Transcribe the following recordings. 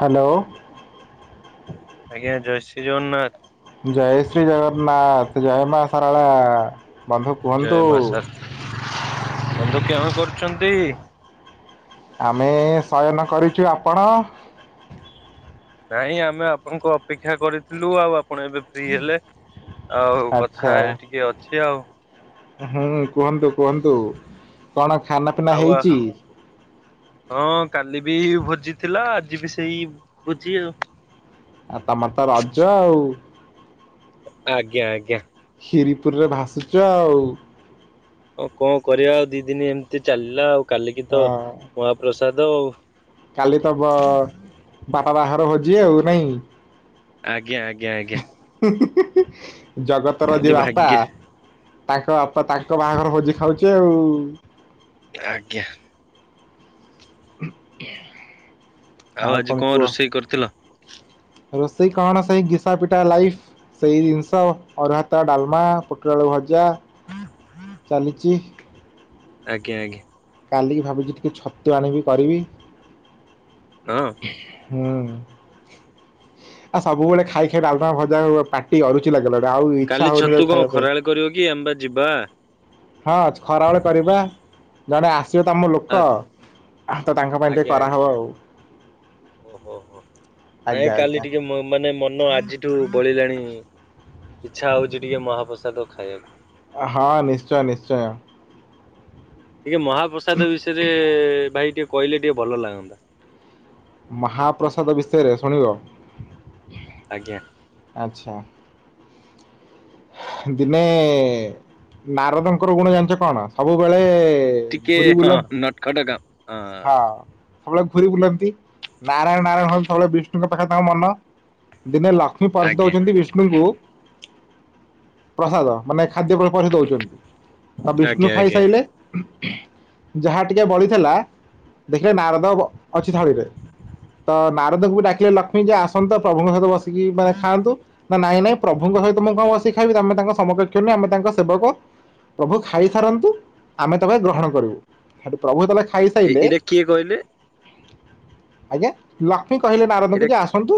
Hello. ଆଜ୍ଞା ଜୟ ଶ୍ରୀ ଜଗନ୍ନାଥ। ଜୟ ଶ୍ରୀ ଜଗନ୍ନାଥ ଜୟ ମା ସାରଳା। ଜୟ ମା ସାରା ବନ୍ଧୁ କେଉଁ କରୁଛନ୍ତି? ଆମେ ଶୟନ କରିଛୁ ଆପଣ। ନାଇଁ ଆମେ ଆପଣଙ୍କୁ ଅପେକ୍ଷା କରିଥିଲୁ ଆଉ ଆପ ପୁଣ ଏବେ ଫ୍ରି ହେଲେ ଆଉ ଆଚ୍ଛା କଥା ଟିକେ ଅଛି ଆଉ। ହୁଁ କୁହନ୍ତୁ କୁହନ୍ତୁ କଣ ଖାନା ପିନା ଆଉ ହେଇଛି? ହଁ କାଲି ବି ଭୋଜି ଥିଲା ଆଜି ବି ସେଇ ଭୋଜି ଆଉ। ଆଉ ତମର ତ ରଜ ଆଉ। ଆଜ୍ଞା ଆଜ୍ଞା। କ୍ଷୀରି ପୁରୀ ରେ ଭାସୁଚ ଆଉ। ହ କଣ କରିବା ଆଉ ଦି ଦିନ ଏମିତି ଚାଲିଲା ଆଉ କାଲିକି ତ ହଁ ମହାପ୍ରସାଦ ଉ। କାଲି ତବ ଵାପା ବାହାଘର ଭୋଜି ଆଉ ନାଇଁ। ଆଜ୍ଞା ଆଜ୍ଞା ଆଜ୍ଞା। ଜଗତ ର କାଲି ଯିଏ ବାପା। ଭାଗ୍ୟ ତାଙ୍କ ବାପା ତାଙ୍କ ବାହାଘର ଭୋଜି ଖାଉଚେ ଆଉ। ଆଜ୍ଞା। [unintelligible] ଆଉ ଆଜି କଣ ରୋଷେଇ କରିଥିଲ? ରୋଷେଇ କଣ ସେଇ ଘିସା ପିଟା ଲାଇଫି। ସେଇ ଜିନିଷ ଅରୁଆ ଭାତ ଡାଲମା ପୋଟଳ ଆଳୁ ଭଜା। ଚାଲିଚି। ଆଜ୍ଞା ଆଜ୍ଞା। କାଲିକି ଭାବୁଛି ଟିକେ ଛତୁ ଆଣିବି କରିବି। ହଁ ହୁଁ ଆଉ ସବୁବେଳେ ଖାଇ ଖାଇ ଡାଲମା ଭଜା ପା ଟି ଅରୁଚି ଲାଗିଗଲା ଆଉ ଇଚ୍ଛା କାଲି ହଉନି ଛତୁ କଣ ଖାଇବା ପାଇଁ। ଖରାବେଳେ କରିବ କିଏ ଆମେପା ଯିବା। ହଁ ଖରାବେଳେ କରିବା ଜଣେ ଆସିବ ତମ ଲୋ କ ତ ତାଙ୍କ ପାଇଁ ଟିକେ ଆଜ୍ଞା ଆଜ୍ଞା। କରାହବ ଆଉ। ଓହୋ ହୋ ନାଇଁ ଆଜ୍ଞା କାଲି ଆଜ୍ଞା ଟିକେ ମୁଁ। ମାନେ ମନ ଆଜିଠୁ ବଳିଲାଣି ଇଛା ହଉଛି ଟିକେ ମହାପ୍ରସାଦ ଖାଇବାକୁ। ହଁ ନିଶ୍ଚୟ ନିଶ୍ଚୟ। ଟିକେ ମହାପ୍ରସାଦ ବିଷୟରେ ଭାଇ ଟିକେ କହିଲେ ଟିକେ ଭଲ ଲାଗନ୍ତା। ମାହାପ୍ରସାଦ ବିଷୟରେ ଶୁଣିବ। ଆଜ୍ଞା। ଆଚ୍ଛା। ଦିନେ ନାରଦଙ୍କର ଗୁଣ ଜାଣିଛ କଣ ସବୁବେଳେ ଟିକେ ଘୁରି ହଁ ବୁଲନ୍ତି ନଟଖଟ ଗାଁ ହଁ ସବୁବେଳେ ଘୁରି ବୁଲନ୍ତି ନାରାୟଣ ନାରାୟଣ ହୁଅନ୍ତି ସବୁବେଳେ ବିଷ୍ଣୁଙ୍କ ପାଖରେ ତାଙ୍କ ମନ ଦିନେ ଲଷ୍ମୀ ଲକ୍ଷ୍ମୀ ପରଷି ଆଜ୍ଞା ଦଉଛନ୍ତି ବିଷ୍ଣୁଙ୍କୁ ପ୍ରସାଦ ମାନେ ଖାଦ୍ୟ ପ ପ ଦଉଛନ୍ତି ତା ବିଷ୍ଣୁ ଆଜ୍ଞା ଆଜ୍ଞା। ଖାଇସାରିଲେ ଯାହା ଟିକେ ବଳିଥିଲା ଦେଖିଲେ ନାରଦ ଅଛି ଥଳିରେ ତ ନାରଦକୁ ବି ଡାକିଲେ ଲକ୍ଷ୍ମୀ ଯେ ଆସନ୍ତ ପ୍ରଭୁଙ୍କ ସହିତ ବସିକି ମାନେ ଖାଆନ୍ତୁ ନା ନାଇଁ ନାଇଁ ପ୍ରଭୁଙ୍କ ସହିତ ମୁଁ କଣ ବସିକି ଖାଇବି ତ ଆମେ ତାଙ୍କ ସମକକ୍ଷ ନୁହେଁ ଆମେ ତାଙ୍କ ସେବକ ପ୍ରଭୁ ଖାଇସାରନ୍ତୁ ଆମେ ତବେ ଗ୍ରହଣ କରିବୁ। ସେଠୁ ପ୍ରଭୁ ତାହଲେ ଏ ଖାଇସାଇିଲେ ଏଇଟା କିଏ କହିଲେ ଆଜ୍ଞା ଲକ୍ଷ୍ମୀ କହିଲେ ନାରଦକୁ ଏଇଟା ଯେ ଆସନ୍ତୁ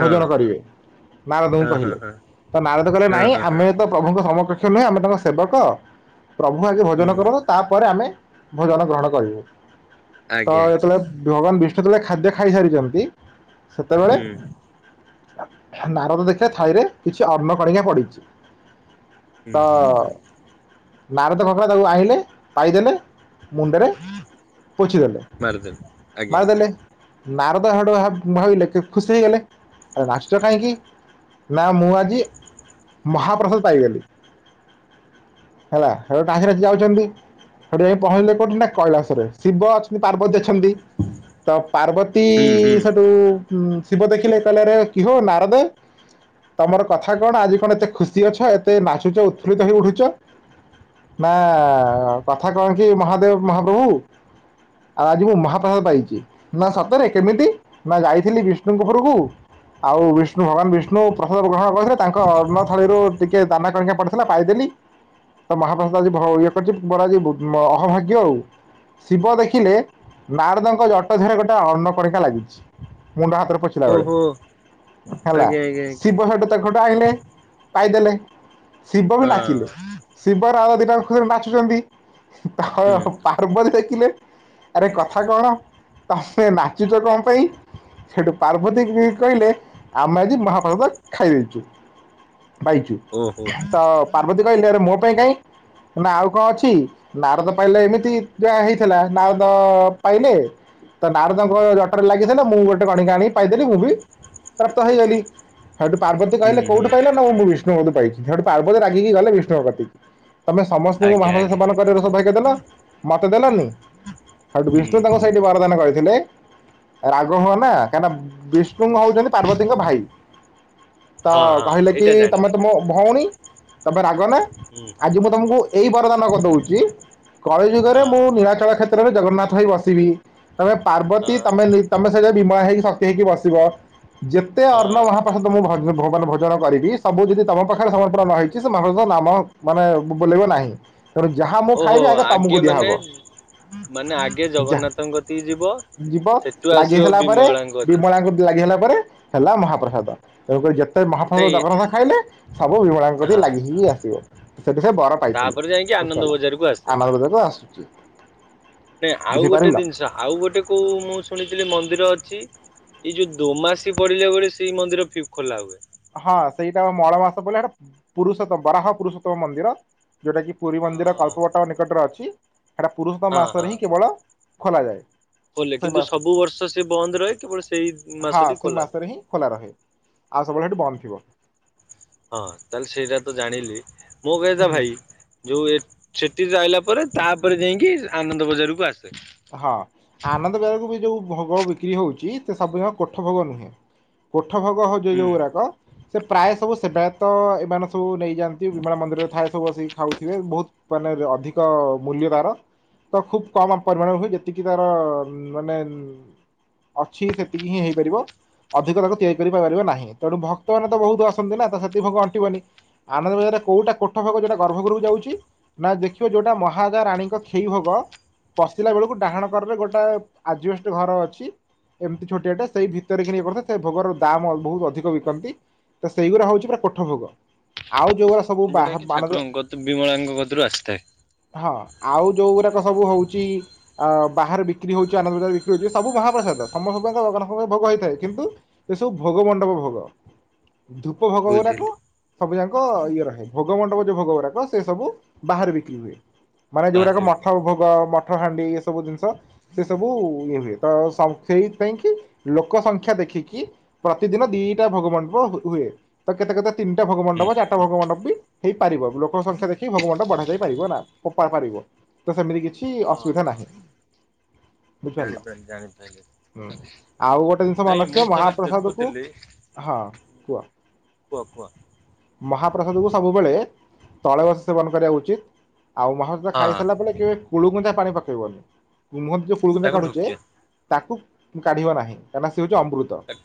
ହଁ ଭୋଜନ କରିବେ ନାରଦଙ୍କୁ ହଁ ହଁ କହିଲେ। ହଁ ତ ନାରଦ କଲେ ହଁ ନାଇଁ ହଁ ହଁ ଆମେ ତ ପ୍ରଭୁଙ୍କ ସମକକ୍ଷ ନୁହେଁ ଆମେ ତାଙ୍କ ସେବକ ପ୍ରଭୁ ଆଗେ ଭୋଜନ ହୁଁ। କରନ୍ତୁ ତାପରେ ଆମେ ଭୋଜନ ଗ୍ରହଣ କରିବୁ ତ ଆଜ୍ଞା ଯେତେବେଳେ ଭଗବାନ ବିଷ୍ଣୁ ଯେତେବେଳେ ଖାଦ୍ୟ ଖାଇସାରିଛନ୍ତି ସେତେବେଳେ ହୁଁ ନାରଦ ଦେଖିଲେ ଥାଳି ରେ କିଛି ଅନ୍ନ କଣିକା ପଡିଛି ହୁଁ ତ ହୁଁ ହୁଁ ନାରଦ କଣ କଲେ ତାକୁ ଆଣିଲେ ପାଇଦେଲେ ମୁଣ୍ଡରେ ପୋଛିଦେଲେ ମାରିଦେଲୁ ଆଜ୍ଞା ମାରି ଆଜ୍ଞା ଦେଲେ ନାରଦ ହେୟୁଡୁ ଭାବିଲେ ଖୁସି ହେଇଗଲେ ଆ ରାଷ୍ଟ କାହିଁକି ନା ମୁଁ ଆଜି ମହାପ୍ରସାଦ ପାଇଗଲି। ହେଲା ହେ ଟାସି ଆସି ଯାଉଛନ୍ତି ସେଠି ପହଁଞ୍ଚିଲେ କୋଉଠି ନା କୈଳାସରେ ଶିବ ଅଛନ୍ତି ପାର୍ବତୀ ଅଛନ୍ତି ତ ପାର୍ବତୀ ହୁଁ ହୁଁ ଇ ସେଠୁ ଶିବ ଦେଖିଲେ କହିଲେ ରେ କିହୋ ନାରଦ ତମର କଥା କଣ ଆଜି କଣ ଏତେ ଖୁସି ଅଛ ଏତେ ନାଚୁଛ ଉତ୍ଫୁଲିତ ହେଇ ଉଠୁଛ? ନା କଥା କଣ କି ମହାଦେବ ମହାପ୍ରଭୁ ଆଆଜି ମୁଁ ମହାପ୍ରସାଦ ପାଇଛି। ନା ସତରେ କେମିତି ନା ଯାଇଥିଲି ବିଷ୍ଣୁଙ୍କ ଘରକୁ ଆଉ ବିଷ୍ଣୁ ଭଗବାନ ବିଷ୍ଣୁ ପ୍ରସାଦ ଗ୍ରହଣ କରିଥିଲେ ତାଙ୍କ ଅନ୍ନ ଥାଳିରୁ ଟିକେ ଦାନା କଣିକା ପଡି ଲା ପାଇଦେଲି ତ ମହାପ୍ରସାଦ ଆଜି ଇଏ କରିଛି ମୋର ଆଜି ଅହଭାଗ୍ୟ ଆଉ। ଶିବ ଦେଖିଲେ ନାରଦଙ୍କ ଜଟ ଧରେ ଗୋଟେ ଅନ୍ନକଣିକା ଲାଗିଛି ମୁଣ୍ଡ ହାତରେ ପଛ ଓହୋ। ହେଲା ଆଜ୍ଞା ଆଜ୍ଞା ଆଜ୍ଞା ଶିବ ସେଟୁ ତାଙ୍କଠୁ ଆଣିଲେ ପାଇଦେଲେ ଶିବ ବି ନାଚିଲେ ହଁ ଶିବ ରା ଆଉ ଦିଟା ଖୁସିରେ ନାଚୁଛନ୍ତି ତ ହୁଁ ପା ପାର୍ବତୀ ଦେଖିଲେ ଆରେ କଥା କଣ ତମେ ନାଚୁଛ କଣ ପାଇଁ? ସେଠୁ ପାର୍ବତୀ କି ବି କହିଲେ ଆମେ ଆଜି ମହାପ୍ରସାଦ ଖାଇ ଦେଇଛୁ। ପାଇଛୁ ଓହୋ ତ ପାର୍ବତୀ କହିଲେ ଆରେ ମୋ ପାଇଁ କାହିଁ ନା ଆଉ କଣ ଅଛି ନାରଦ ପାଇଲେ ଏମିତି ଯାହା ହେଇଥିଲା ନାରଦ ପାଇଲେ ତ ନାରଦଙ୍କ ଜ ଟା ରେ ଲାଗିଥିଲା ମୁଁ ଗୋଟେ ଗଣିକା ଆଣି ପାଇଦେଲି ମୁଁ ବି ପ୍ରାପ୍ତ ହେଇଗଲି ସେଇଠୁ ପାର୍ବତୀ ହୁଁ କହିଲେ ହୁଁ କୋଉଠୁ ପାଇିଲ ନଁ ମୁଁ ବିଷ୍ଣୁବତ [unintelligible] ପାଇଛି ସେୋଠି ପାର୍ବତ ରାଗିକି ଗଲେ ବିଷ୍ଣୁବ କତିକି। ତମେ ସମସ୍ତଙ୍କୁ ଆଜ୍ଞା ମହାପ୍ରସାଦ ଆଜ୍ଞା ସେବନ କରିବାର ସୌଭାଗ୍ୟ ଦେଲ ମତେ ଦେଲନି। ସେଠୁ ହୁଁ ବିଷ୍ଣୁ ତାଙ୍କୁ ହୁଁ। ସେଇଠି ବରଦାନ କରିଥିଲେ ରାଗ ହୁଅ ନା କାହିଁକିନା ବିଷ୍ଣୁ ଷ୍ଣୁ ହଉଛନ୍ତି ପାର୍ବତୀଙ୍କ ଭାଇ ତ ହଁ ହଁ କହିଲେ କି ଏଇଟା ତମେ ଜାଣିଛି ତ ମୋ ଭଉଣୀ ତମେ ରାଗ ନା ହୁଁ ଆଜି ମୁଁ ତମକୁ ଏଇ ବରଦାନ ଦଉଛି କଳି ଯୁଗରେ ହଁ ମୁଁ ନିଳାଚଳ କ୍ଷେତ୍ର ତ୍ର ରେ ଜଗନ୍ନାଥ ହେଇ ବସିବି। ତାପରେ ହଁ ପାର୍ବତୀ ତମେ ନି ତମେ ସେଟା ବିମଳା ହେଇକି ସକ୍ତି ହେଇକି ବସି ଥିବ ଯେତେ ହଁ ଅର୍ଣ୍ଣ ମହାପାସ ମୁଁ ଭ ଭୋବନ ଭୋଜନ କରିବି ସବୁ ଯଦି ତମ ପାଖରେ ସମର୍ପୂରଣ ହେଇଛି ସେ ମହା ନାମ ମାନେ ବୋଲେଇବ ନାହିଁ। ତେଣୁ ଯାହା ମୁଁ ଓହୋ ଖାଇବି ଆଗେ ତମକୁ ମାନେ ଦିଆହବ। ମାନେ ଆଗେ ଯା ଜଗନ୍ନାଥଙ୍କ କତିକି ଯିବ ଯିବ ସେଠୁ ଆସିବ ଲାଗିସିଲା ପରେ ବିମଳାଙ୍କ କତିକି ବିମଳାଙ୍କ ଲାଗି ହେଲା ପରେ ହେଲା ମହାପ୍ରସାଦ। ତେଣୁ କରି ଯେତେ ମହାପ୍ରଭୁ ନାଇଁ ଜଗନ୍ନାଥ ଖାଇଲେ ସବୁ ବିମଳାଙ୍କ ଦେଇ ହଁ ଲାଗି ହେଇକି ଆସିବ। ସେଠି ସେ ବର ପାଇ ତାପରେ ଯାଇକି ଆନନ୍ଦ ବଜାରକୁ ଆସେ ଆନନ୍ଦବଜାର ତ ଆସୁଛି ନାଇଁ ଆଉ ଗୋଟେ ବୁଝିପାରିଲ ଜିନିଷ ଆଉ ଗୋଟେ କୋଉ ମୁଁ ଶୁଣିଥିଲି ମନ୍ଦିର ଅଛି। ଏଇ ଯଉ ଦୋମାସି ପଡ଼ିଯାଏ ବେଳେ ସେଇ ମନ୍ଦି ଖୋଲା ହୁଏ। ହଁ ସେଇଟା ମଳ ମାସ ପଇଲା ପୁରୁଷୋତ୍ତମ ବରାହ ପୁରୁଷୋତ୍ତମ ମନ୍ଦିର। ଯୋଉଟା କି ପୁରୀ ଅ, ମନ୍ଦିର କଳ୍ପବଟ ନିକଟରେ ଅଛି। ହେଟା ପୁରୁଷ ହଁ ହଁ ମାସରେ ହିଁ କେବଳ ଖୋଲା ଯାଏ। ଖୋଲେ। କିନ୍ତୁ ସବୁ ବର୍ଷ ସେ ବନ୍ଦ ରହେ କେବଳ ସେଇ ମାସଟି ସେଇ ଖୋଲା ରହେ। ମାସରେ ହଁ ଖୋଲା ରହେ। ଆଉ ସବୁବେଳେ ହେଠୀ ବନ୍ଦଥିବ। ହଁ ତାହେଲେ ସେଇଟା ତ ଜାଣିଲି ମୋ କହିବା କଥା ହୁଁ ଭାଇ ଯୋଉ ଏ ସେଠି ଯାଇଲା ପରେ ତାପରେ ଯାଇଁକି ଆନନ୍ଦ ବଜାରକୁ ଆସେ। ହଁ ଆନନ୍ଦବିହାରକୁ ବି ଯୋଉ ଭୋଗ ବିକ୍ରି ହଉଛି ସେ ସବୁ ଜାକ କୋଠ ଭୋଗ ନୁହେଁ। କୋଠ ଭୋଗ ହୋଉଛି ଏଇ ହୁଁ ଯୋଉ ଗୁଡ଼ାକ ସେ ପ୍ରାୟ ସବୁ ସେବାୟତ ଏମାନେ ସବୁ ନେଇଯାଆନ୍ତି ବିମଳା ମନ୍ଦିରରେ ଥାଏ ସବୁ ବସିକି ଖାଉଥିବେ ବହୁତ ମାନେ ଅଧିକ ମୂଲ୍ୟ ତାର ତ ଖୁବ କମ୍ ଆପ ପରିମାଣ ହୁଏ ଯେତିକି ତାର ମାନେ ଅଛି ସେତିକି ହିଁ ହେଇପାରିବ। ଅଧିକ ତାକୁ ତିଆରି କରି ପା ପାରିବ ନାହିଁ ତେଣୁ ଭକ୍ତମାନେ ତ ବହୁତ ଆସନ୍ତି ନା ତ ସେତିକୀ ଭୋଗ ଅଣ୍ଟିବନି। ଆନନ୍ଦ ବଜାରରେ କୋଉଟା କୋଠ ଭୋଗ ଯୋଉଟା ଗର୍ଭଗୃହକୁ ଯାଉଛି। ନା ଦେଖିବ ଯୋଉଟା ମହାରାଜା ରାଣୀଙ୍କ ଖେଇ ଭୋଗ ପଶିଲା ବେଳକୁ ଡାହାଣ କରରେ ଗୋଟାଏ ଆଜବେଷ୍ଟ ଘର ଅଛି। ଏମିତି ଛୋଟିଆଟା ସେଇ ଭିତରେ କି ଇଏ କରିଥା ସେ ଭୋଗର ଦାମ ବହୁତ ଅଧିକ ବିକନ୍ତି। ତ ସେଇଗୁଡ଼ା ହଉଛି ପୁରା କୋଠ ଭୋଗ। ଆଉ ଯୋଉରା ଯେଉଟା କି ଠାକୁରଙ୍କ କତୁ ବିମଳାଙ୍କ କତୁରୁ ଆସିଥାଏ। ହଁ ଆଉ ଯୋଉ ଗୁରାକ ସବୁ ହଉଚି ଆ ବାହାରେ ବିକ୍ରି ହଉଛି ଆନନ୍ଦ ବଜାରରେ ବିକ୍ରି ହଉଚି ସବୁ ମହାପ୍ରସାଦ ସମସ୍ତ [unintelligible] ଭୋଗ ହେଇଥାଏ। କିନ୍ତୁ ଏସବୁ ଭୋଗ ମଣ୍ଡପ ଭୋଗ। ଧୂପ ଭୋଗ ବୁଝିଲି ଗୁଡାକ ସବୁ ଯାକ ଇଏ ରହେ, ଭୋଗ ମଣ୍ଡପ ଯୋଉ ଭୋଗ ଗୁରାକ ସେ ସବୁ ବାହାରେ ବିକ୍ରି ହୁଏ। ମାନେ ଯୋଉରାକ ବାହାରେ ମଠ ହୁଁ ଭୋଗ ମଠ ହାଣ୍ଡି ଏସବୁ ଜିନିଷ। ସେ ସବୁ ଇଏ ହୁଏ। ତ ସେଇପାଇଁକି ଲୋକ ସଂଖ୍ୟା ଦେଖିକି ପ୍ରତିଦିନ ଦିଟା ଭୋଗମଣ୍ଡପ ହୁ ହୁଏ। ତ କେତେ କେତେ ତିନିଟା ଭଗମଣ୍ଡପ ଚାରିଟା ଭୋଗ ମଣ୍ଡପ ବି ହେଇପାରିବ ଲୋକଙ୍କ ସଂଖ୍ୟା ଦେଖି ଭଗମଣ୍ଡପ ବଢା ଯାଇ ପାରିବ ନା ପାରିବ ତ ସେମିତି କିଛି ଅ ନାହିଁ। ଜାଣି ଜାଣିପାରିଲି ହୁଁ। ଜାଣିପାରିଲି, ଆଉ ଗୋଟେ ଜିନିଷ ମନେ ନାଇଁ ରଖିବ ମୁଁ ଥରେ ମହାପ୍ରସାଦ କୁ ଦେଖୁଥିଲି ହଁ କୁହ। କୁଅ କୁଅ? ମହାପ୍ରସାଦକୁ ସବୁବେଳେ ତଳେ ବସି ସେବନ କରିବା ଉଚିତ ଆଉ ମହାପ୍ରସାଦ ହଁ ଖାଇସାରିଲା ପରେ କେ କୁଳୁକୁଞ୍ଚା ପାଣି ପକେଇବନି ମୁହଁରୁ ଯୋଉ କୁଳୁକୁଞ୍ଚା ତାକୁ କାଢ଼ୁଚେ ଢୋକିଆ ତାକୁ କାଢିବ ନାହିଁ କାହିଁନା ସେ ହୋଉଚି ଅମୃତ। ତାକୁ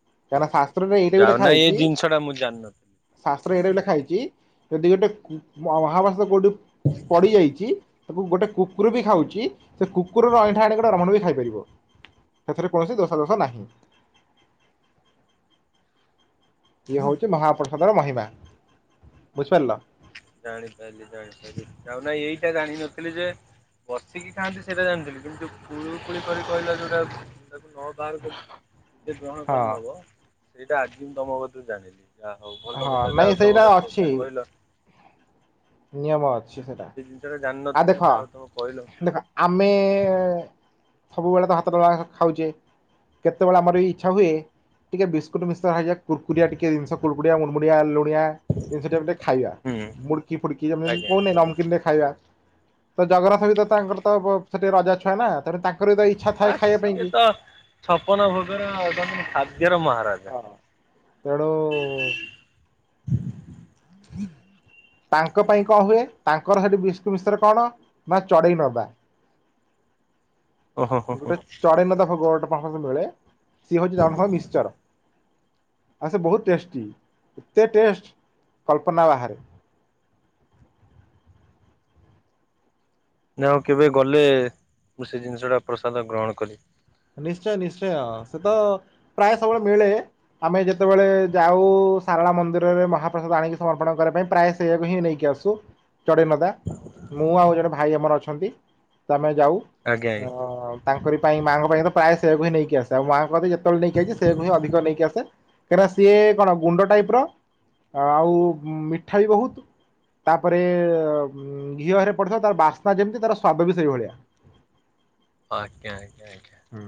କାହିଁକ ନା ଶାସ୍ତ୍ରରେ ଏଇଟା ବି ଯାଉ ଲେଖା ନା ଏଇ ହେଇଚି ଜିନିଷ ଟା ମୁଁ ଜାଣିନଥିଲି। ଶାସ୍ତ୍ର ଏଇଟା ବି ଲେଖା ହେଇଚି ଯଦି ଗୋଟେ ମହାଭଷ୍ୟ କେଉଁଠି ପଡ଼ିଯାଇଚି ତାକୁ ଗୋଟେ କୁକୁର ବି ଖାଉଚି ସେ କୁକୁରର ଅଇଁଠା ଆଣି ଗୋଟେ ଆରାମରେ ବି ଖାଇପାରିବ। ସେଥିରେ କୌଣସି ଦୋଷା ଦୋଷ ନାହିଁ। ଇଏ ହୋଉଚି ମହାପ୍ରସାଦର ମହିମା ବୁଝିପାରିଲ? ଜାଣିପାରିଲି ଜାଣିପାରିଲି ଆଉ ନାଁ ଏଇଟା ଜାଣିିନଥିଲି ଯେ ବସିକି ଖାଆନ୍ତି ସେଇଟା ଜାଣିଥିଲି କିନ୍ତୁ ଯୋଉ କୁଳୁକୁୁଳି କରି କହିଲ ଯୋଉଟା ତାକୁ ନ ବାହର କରିଲି ନିଯେ ଗ୍ରହଣ ହଁ। କରିନେବ ସେଇଟା ଆଜି ମୁଁ ତମ କତିରୁ ଜାଣିଲି। ଯାହା ହୋଉ ଭଲ ହଁ କଥାଟେ ନାଇଁ ଯାହୋଉ ତମ ସେଇଟା ଗୋଟେ ଅଛି ଯା କହିଲ। ନିୟମ ଅଛି ସେଟା ସେ ଜିନିଷଟା ଆ ଜାଣିନଥିଲି ନା ଦେଖ ଯାହା ହଉ ତମେ କହିଲ ଦେଖ ଆମେ ସବୁବେଳେ ତ ହାତରେ ଖାଉଛେ କେତେବେଳେ ଆମର ବି ଇଛା ହୁଏ ଟିକେ ବିସ୍କୁଟ ମିଶ ହେଇଯା କୁକୁରିଆ ଟିକେ ଜିନିଷ କୁକୁରି ମୁଣ୍ଡମୁଡ଼ିଆ ଲୁଣିଆ ଜିନିଷଟେ ଗଟେ ଖାଇବା ହୁଁ ମୁଡକି ଫୁଡକି ଯେମିତି ଆଜ୍ଞା କୋଉନେ ନା ନମକିନଟେ ଖାଇବା। ତ ଜଗନ୍ନାଥ ବି ତ ତାଙ୍କର ତ ସେଠି ରାଜା ଛୁଆ ନା ତେଣୁ ତାଙ୍କର ବି ତ ଇଛା ଥାଏ ଆ ଖାଇବା ପାଇଁ ସିଏ କି। ତ ଛପନ ଭୋଗରେ ତ ଖାଦ୍ୟର ମହାରାଜା। ହଁ। ତେଣୁ ତାଙ୍କ ପାଇଁ କଣ ହୁଏ ତାଙ୍କର ସେଠୁ ବିଷ୍ଣୁ ମିଶ୍ର କଣ ନା ଚଢେଇ ନବା। ଓହୋ ହୋ ହୋ ଗୋଟେ ଚରେନତା ଭୋଗ ଗଟେ ମିଳେ ସିଏ ହୋଉଚି ତାଙ୍କର ମିକ୍ଚର। ଆଉ ସେ ବୋହୁତ ଟେଷ୍ଟି, ଏତେ ଟେଷ୍ଟ କଳ୍ପନା ବାହାରେ। ନା ଆଉ କେବେ ଗଲେ ମୁଁ ସେ ଜିନିଷ ଟା ପ୍ରସାଦ ଗ୍ରହଣ କରିବି। ନିଶ୍ଚୟ ନିଶ୍ଚୟ ସେ ତ ପ୍ରାୟ ସବୁବେଳେ ମିଳେ। ଆମେ ଯେତବେଳେ ଯାଉ ସାରଳା ମନ୍ଦିରରେ ମହାପ୍ରସାଦ ଆଣିକି ସମର୍ପଣ କରିବା ପାଇଁ ପ୍ରାଏ ସେଇଆକୁ ହିଁ ନେଇକି ଆସୁ ଚଢେଇ ନଦା। ମୁଁ ଆଉ ଜଣେ ଭାଇ ଆମର ଅଛନ୍ତି ତ ଆମେ ଯାଉ ଆଜ୍ଞା ଆଜ୍ଞା ଅ ତାଙ୍କର ପାଇଁ ମାଙ୍କ ମଏକ ପାଏ ସେଆକୁ ହିଁ ନେଇକି ଆସେ ଆଉ ମାଙ୍କନ୍ତି ଯେତବେଳେ ନେଇକି ଆଇଲି ସେକୁ ହିଁ ଅଧିକ ନେଇକି ଆସେ। କାହିଁକନା ସିଏ କଣ ଗୁଣ୍ଡ ଟାଇପ ର ଆଉ ମିଠା ବି ବୋହୁତ। ତାପରେ ଘିଅ ଘରେ ପଡିଥିବ ତାର ବାସ୍ନା ଯେମିତି ତାର ସ୍ଵାଦ ବି ସେଇଭଳିଆ। ଆଜ୍ଞା ଆଜ୍ଞା ଆଜ୍ଞା। ହୁଁ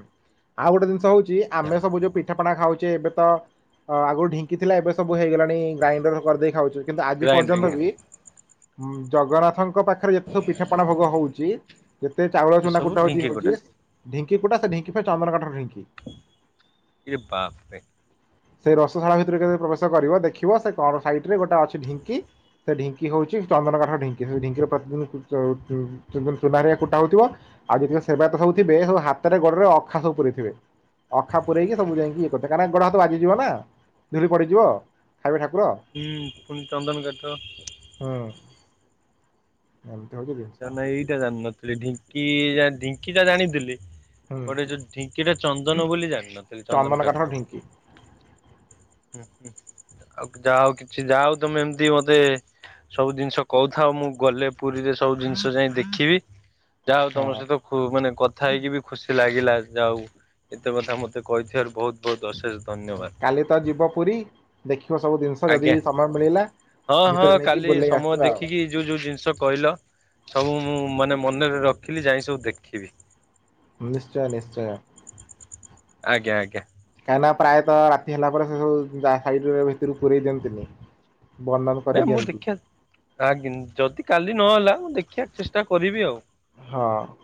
ଆଉ ଗୋଟେ ଜିନିଷ ହଉଚି ଆମେ ସବୁ ଯୋଉ ପି ପିଠାଣା ଖାଉଚେ ଏବେ ତ ଅ ଆଗୁରୁ ଢିଙ୍କି ଥିଲା ଏବେ ସବୁ ହେଇଗଲାଣି ଗ୍ରାଇଣ୍ଡର କରିଦେଇ ଖାଉଚୁ। କିନ୍ତୁ ଆଜି ପର୍ଯ୍ୟନ୍ତ ଗ୍ରାଇଣ୍ଡିଙ୍ଗ ବି ଜଗନ୍ନାଥଙ୍କ ପାଖରେ ଯେତେ ସବୁ ପିଠାପଣା ଭୋଗ ହଉଚି କେତେ ଚାଉଳ ସେ ଚୁନା ସବୁ କୁଟା ହଉଚି ଇଏ ଢିଙ୍କି ହଉଚି ଢିଙ୍କି କୁଟା ସେ ଢିଙ୍କି ପାଇଁ ଚନ୍ଦନକାଠର ଢିଙ୍କି। ଏ ବାପରେ ସେଇ ରସଶାଳ ଭିତରେ କେବେ ପ୍ରବେଶ କରିବ ଦେଖିବ ସେ କଣ ସାଇଡ ରେ ଗୋଟେ ଅଛି ଢିଙ୍କି ସେ ଢିଙ୍କି ହଉଚି ଚନ୍ଦନକାଠର ଢିଙ୍କି ସେ ଢିଙ୍କିରେ ପ୍ରତିଦିନ କୁ ଚାଉ ଚୁବୁଲ ଚୁମାରିଆ କୁଟା ହଉଥିବ ଆଉ ଯେତେବେଳେ ସେବାୟତ ସବୁଥିବେ ସବୁ ହାତରେ ଗୋଡରେ ଅଖା ସବୁ ପୁରେଇଥିବେ। ଅଖା ପୁରେଇକି ସବୁ ଯାଇକି ଇଏ କରିଥା କାହିଁକା ଗୋଡ ହାତ ବାଜିଯିବ ନା। ଧୂଳି ପଡ଼ିଯିବ ଖାଇବେ ଠାକୁର। ହୁଁ ଫୁଣି ଚନ୍ଦନ କାଠ। ହଁ। ଏମତି ହଉଚିକି? ତା ମାନେ ଏଇଟା ଜାଣିନଥିଲି ଢିଙ୍କି ଜାଣ୍ ଢିଙ୍କି ଟା ଜାଣିଥିଲି। ହୁଁ ପରେ ଯୋଉ ଢିଙ୍କି ଟା ଚନ୍ଦନ ବୋଲି ଜାଣି ନଥିଲି ଚନ୍ଦନ କାଠର କାଠ ବୋଲି। ଢିଙ୍କି। ହୁଁ ହୁଁ ଆଉ ଯା ହଉ କିଛି ଯା ହଉ ତମେ ଏମତି ମତେ। ସବୁ ଜିନିଷ କହୁଥାଉ ମୁଁ ଗଲେ ପୁରୀରେ। ସବୁ ଜିନିଷ ଯାଇଁ ଦେଖିବି ଯାହା ହଉ ହଁ ତମ ସହିତ କୁ ମାନେ କଥା ହେଇକି ବି। ଖୁସି ଲାଗିଲା ଯାହାଉ ଏତେ କଥା ମତେ କହିଥିବାରୁ ବହୁତ୍ ବହୁତ୍ ଅଶେଷ୍। କାଲି ତ ଯିବ ପୁରୀ ଦେଖିବ ସବୁ ଜିନଷ ଯଦି ଆଜ୍ଞା। ସମୟ ମିଳିଲା। ଭିତରେ ନେଇକି ବୁଲେଇ ଆସିବା ଆଉ। ଯେଉ ଯୋଉ ଜିନିଷ କହିଲ। ସବୁ ମୁଁ ମାନେ ମନେରେ ରଖିଲି ଯାଇଁକି ସବୁ ଦେଖିବି। ଉମ୍ ନିଶ୍ଚୟ ନିଶ୍ଚୟ। ଆଜ୍ଞା ଆଜ୍ଞା। କାହିଁକି ନା ପ୍ରାୟତଃ ରାତି ହେଲା ପରେ ସେ ସବୁ ଦା ସାଇଟରୁ ଭିତରୁକୁ ପୁରେଇ ଦିଅନ୍ତିନି। ବନ୍ଧନ ନାଇଁ ମୁଁ କରିଦିଅନ୍ତି ଦେଖିଆ ଆଗିନ୍ ଯଦି କାଲି ନହେଲା ମୁଁ ଦେଖିଆ ଚେଷ୍ଟା କରିବି ଆଉ। ହଁ।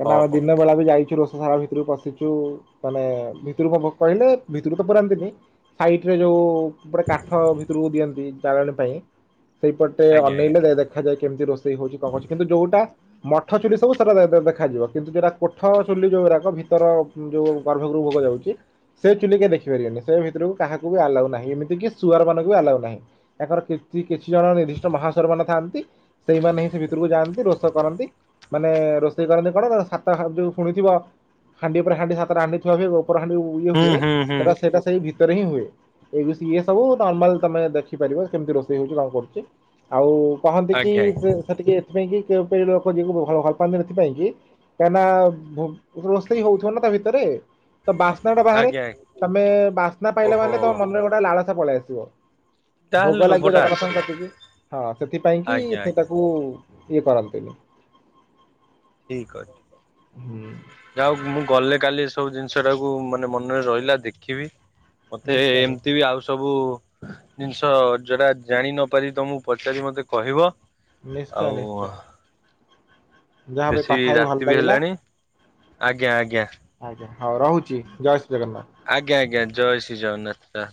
କାଇଁନା ହଉ ଆଉ ହଉ ଦିନ। ବେଳା ବି ଯାଇଚୁ ରୋଷ ଶାଳା ଭିତରୁକୁ ପଶିଚୁ ମାନେ ଭିତରୁକୁ ପା ଭୋ କହିଲେ ଭିତରୁକୁ ତ ପୁରାନ୍ତିନି। ସାଇଟ୍ ରେ ଯୋଉ ଗୋଟେ କାଠ ଭିତରୁକୁ ଦିଅନ୍ତି ଜାଲଣୀ ପାଇଁ। ସେଇପଟେ ଆଜ୍ଞା ଆଜ୍ଞା ଅନେଇଲେ ଦେ ଦେଖ୍। ଦେଖାଯାଏ କେମତି ରୋଷେଇ ହଉଛି କଣ ହଉଛି କିନ୍ନ୍ତୁ ଯୋଉଟା ମଠ ଚୁଲୀ ସବୁ ସାରା ଦେ ଦେ ଦେଖ୍ ଦେଖାଯିବ କିନ୍ତୁ ଯୋଉଟା କୋଠ ଚୁଲି ଯୋଉରାକ ଭିତର ଯୋଉ ଗର୍ଭଗୃହକୁ ଭୋଗ ଯାଉଛି। ସେ ଚୁଲି କେ ଦେଖିପାରିବନି ସେ ଭିତରୁକୁ କାହାକୁ ବି ଆଲାଉ ନାହିଁ ଏମିତିକି ଶୁଆରମାନଙ୍କୁ ବି ଆଲାଉ ନାହିଁ। ତାଙ୍କର କିଚି କିଛି ଜଣ ନିର୍ଦ୍ଧିଷ୍ଟ ମହାସରମାନ ଥାଆନ୍ତି। ସେଇମାନେ ହିଁ ସେ ଭିତରକୁ ଯାଆନ୍ତି ରୋଷ କରନ୍ତି ମାନେ ରୋ ସେଇ କରନ୍ତି କଡର ସାତ ହା ଯୋଉ ଶୁଣିଥିବ ହାଣ୍ଡି ଉପରେ ହାଣ୍ଡି ସାତଟା ହାଣ୍ଡିଥିବ ବି ଓପର ହାଣ୍ଡି। ଉୟ ହୁଁ ହୁଏ ହୁଁ ହୁଁ ସେଟା ସେଇଟା। ସେଇ ଭିତରେ ହିଁ ହୁଏ ଏ ଇଏ ସବୁ ନର୍ମାଲ ତମେ ଦେଖିପାରିବ କେମିତି ରୋଷେଇ ହଉଛି କଣ କରୁଛି। ଆଉ କହନ୍ତି କି ଆଜ୍ଞା ଆଜ୍ଞା ସେ ସେଠିକି ଏଥିପାଇଁ କି କେଉଁ କେଉଁ ଲୋକ ଯିବାକୁ ଭଲ ଭଲ ପାଆନ୍ତିନି। ସେଥିପାଇଁ କି କାହିଁନା ଭୋ ରୋଷେଇ ହଉଥିବ ନା ତା ଭିତରେ। ତ ବାସ୍ନାଟା ବାହାରେ ଆଜ୍ଞା ଆଜ୍ଞା ତମେ ବାସ୍ନା ପାଇଲ ଓହୋ ମାନେ ତମ ମନରେ ଗୋଟେ ଲାଳସା ପଳେଇ ଆସିବ। ଭୋଗ ତାହେଲେ ଲାଗିବ ଲୋଭଟା ଜଗନ୍ନାଥଙ୍କ ଆସିବ କତିକି ହଁ ସେଥିପାଇଁ କି ଆଜ୍ଞା ସେ ଆଜ୍ଞା ତାକୁ। ଇଏ କରନ୍ତିନି। ଠିକ୍ ହୁଁ। ଯାହାହଉ ମୁଁ ଗଲେ କାଲି ସବୁ ଜିନିଷ ଟାକୁ ମାନେ ମନରେ ରହିଲା ଦେଖିବି। ମତେ ଏ ନିଶ୍ଚୟ ଏ ଏମତି ନିଶ୍ଚୟ ବି ଆଉ ସବୁ ଜିନିଷ ଯୋଟା ଜାଣି ନ ପାରିବି ତମକୁ ପଚାରିବି ମତେ କହିବ। ନିଶ୍ଚୟ ଆଉ ନିଶ୍ଚୟ। ଯାହା ବି ବେଶୀ କଥା ହେଇ ଭଲ ରାତି ବି ଲାଗିଲା। ହେଲାଣି ଆଜ୍ଞା ଆଜ୍ଞା। ଆଜ୍ଞା ହଁ ରହୁଛି ଜୟ ଶ୍ରୀ ଜଗନ୍ନାଥ। ଆଜ୍ଞା ଆଜ୍ଞା ଜୟ ଶ୍ରୀ ଜଗନ୍ନାଥ ଦା।